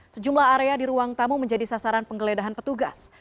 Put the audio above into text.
sejumlah area di ruang tamu menjadi sasaran penggeledahan petugas